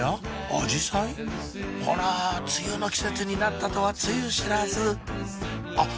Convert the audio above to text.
アジサイほら梅雨の季節になったとはつゆ知らずあっ！